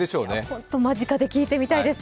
ほんと、間近で聴いてみたいです。